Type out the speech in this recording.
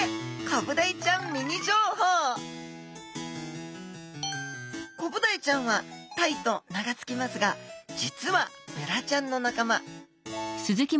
コブダイちゃんはタイと名が付きますが実はベラちゃんの仲間。